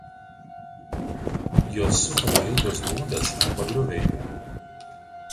Juos supa pailgos duobės arba grioviai.